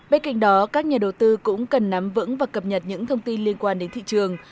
bên cạnh đó các nhà đầu tư cũng cần nắm vững và cập nhật những thông tin liên quan đến thị trường